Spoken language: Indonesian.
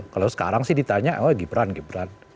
kalau sekarang sih ditanya gibran gibran